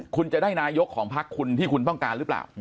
คุณจะได้นายกของพักคุณที่คุณต้องการหรือเปล่า